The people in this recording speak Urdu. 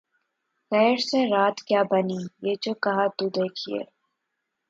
’’ غیر سے رات کیا بنی ‘‘ یہ جو کہا‘ تو دیکھیے